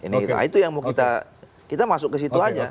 nah itu yang mau kita masuk ke situ aja